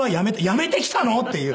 「辞めてきたの？」っていう。